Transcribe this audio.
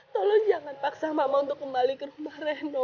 tolong jangan paksa mama untuk kembali ke rumah reno